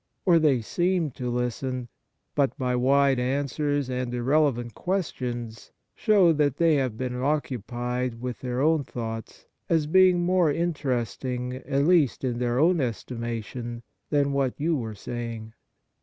Or they seem to listen, but by wide answers and irrelevant questions show that they have been occupied with their own thoughts, as being more interest ing, at least in their own estimation, than what you were saying.